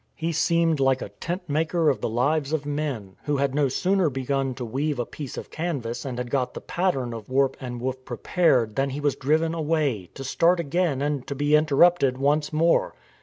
He seemed like a tent maker of the lives of men, who had no sooner begun to weave a piece of canvas and had got the pattern of warp and woof prepared than he was driven away — to start again and to be interrupted once more.